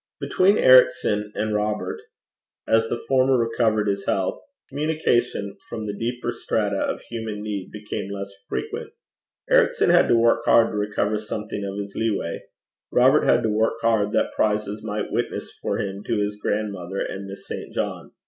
Between Ericson and Robert, as the former recovered his health, communication from the deeper strata of human need became less frequent. Ericson had to work hard to recover something of his leeway; Robert had to work hard that prizes might witness for him to his grandmother and Miss St. John.